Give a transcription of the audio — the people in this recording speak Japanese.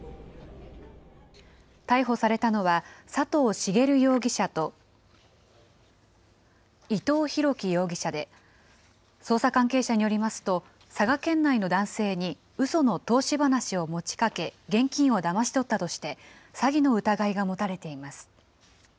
逮捕されたのは、佐藤茂容疑者と伊藤宏樹容疑者で、捜査関係者によりますと、佐賀県内の男性にうその投資話を持ちかけ、現金をだまし取ったとして、詐欺の疑いが持たれています。